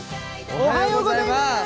おはようございます。